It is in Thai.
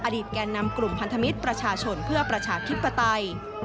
แก่นำกลุ่มพันธมิตรประชาชนเพื่อประชาธิปไตย